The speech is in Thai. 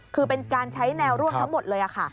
คือเป็นการใช้แนวร่วมทั้งหมดเลยค่ะ